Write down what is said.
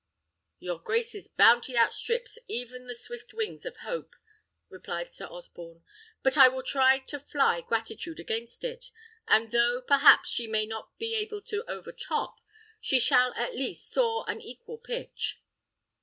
"Your grace's bounty outstrips even the swift wings of Hope," replied Sir Osborne; "but I will try to fly Gratitude against it; and though, perhaps, she may not be able to overtop, she shall, at least, soar an equal pitch."